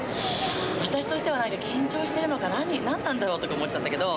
私としてはなんか、緊張してるのか、何なんだろうとか思っちゃったけど。